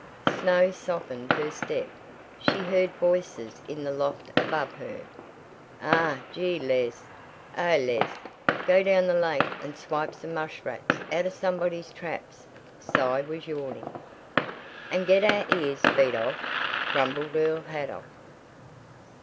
Snow softened her step. She heard voices in the loft above her: "Ah gee, lez oh, lez go down the lake and swipe some mushrats out of somebody's traps," Cy was yawning. "And get our ears beat off!" grumbled Earl Haydock.